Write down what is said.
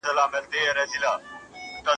که وخت وي!؟ جواب ورکوم!؟